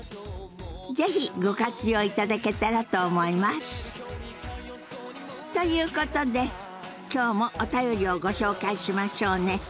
是非ご活用いただけたらと思います！ということで今日もお便りをご紹介しましょうね。